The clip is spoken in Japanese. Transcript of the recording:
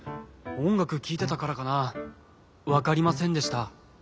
おんがくきいてたからかなわかりませんでした。